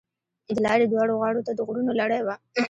د لارې دواړو غاړو ته د غرونو لړۍ وه.